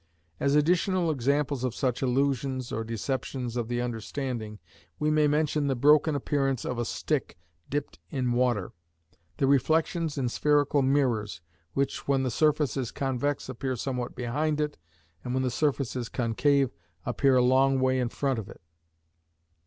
As additional examples of such illusions or deceptions of the understanding, we may mention the broken appearance of a stick dipped in water; the reflections in spherical mirrors, which, when the surface is convex appear somewhat behind it, and when the surface is concave appear a long way in front of it.